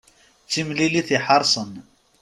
D timlilit iḥerṣen.